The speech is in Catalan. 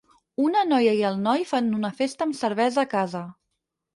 una noia i el noi fan una festa amb cervesa a casa